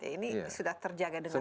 ini sudah terjaga dengan baik